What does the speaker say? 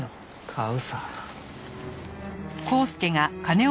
買うさ。